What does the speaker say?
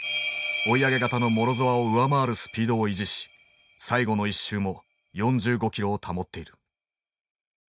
追い上げ型のモロゾワを上回るスピードを維持し最後の１周も４５キロを保っている。